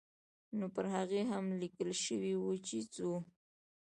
نو پر هغې هم لیکل شوي وو چې ځو.